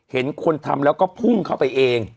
เห็นคนทำแล้วก็พุ่งเข้าไปเอง